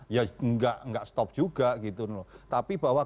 ya enggak stop juga